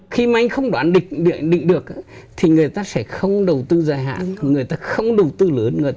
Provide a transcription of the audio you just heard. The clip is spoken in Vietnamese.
khi mà anh không đoán định được thì người ta sẽ không đầu tư dài hạn người ta không đầu tư lớn